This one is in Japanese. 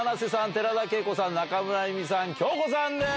寺田恵子さん中村あゆみさん杏子さんです！